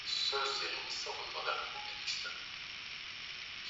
mabadiliko kutoka enzi ya harmonic kwenda enzi ya kishujaa